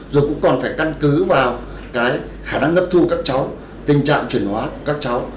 rồi cũng còn phải căn cứ vào cái khả năng ngất thu các cháu tình trạng chuyển hóa của các cháu